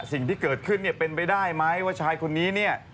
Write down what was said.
สิ่งที่เกิดขึ้นเนี่ยเป็นไปได้ไหมว่าชายคนนี้เนี่ย